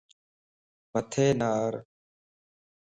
مٿي نار